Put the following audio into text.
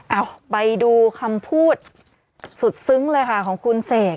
เอ้าไปดูคำพูดสุดซึ้งเลยค่ะของคุณเสก